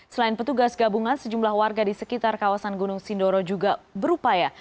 selain petugas gabungan sejumlah warga di sekitar kawasan gunung sindoro juga berupaya